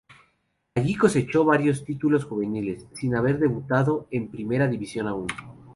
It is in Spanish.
Allí cosechó varios títulos juveniles, sin haber debutado en primera división aún.